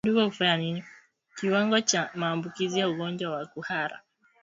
Kiwango cha maambukizi ya ugonjwa wa kuhara